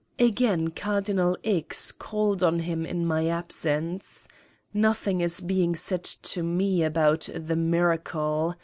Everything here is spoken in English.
Again Cardinal X. called on him in my absence. Nothing is being said to me about the "miracle."